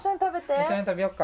一緒に食べようか。